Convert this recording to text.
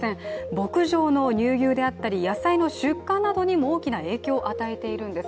牧場の乳牛であったり、野菜の出荷などにも大きな影響を与えているんです。